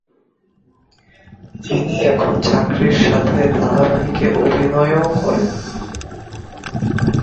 যিনি এখন চাকরির সাথে ধারাবাহিকে অভিনয়ও করেন।